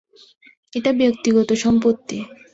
এটা ব্যক্তিগত সম্পত্তি।